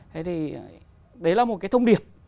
thế thì đấy là một cái thông điệp